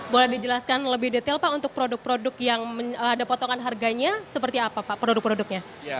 boleh dijelaskan lebih detail pak untuk produk produk yang ada potongan harganya seperti apa pak produk produknya